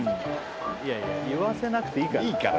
いやいや言わせなくていいから。